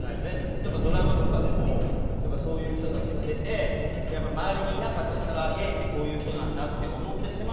例えばドラマとかでもそういう人たちが出て周りにいなかったりしたらゲイってこういう人なんだって思ってしまうのもまだ。